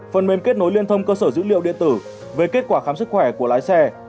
phần mềm kết nối liên thông cơ sở dữ liệu điện tử về kết quả khám sức khỏe của lái xe